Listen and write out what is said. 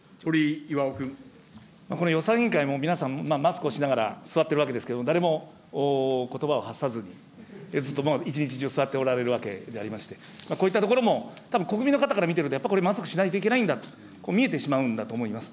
この予算委員会も、皆さん、マスクをしながら座っているわけですけれども、誰も、ことばを発さずに、ずっと一日中、座っておられるわけでありまして、こういったところも、たぶん、国民の方から見てると、これ、マスクをしなきゃいけないんだ、見えてしまうんだと思います。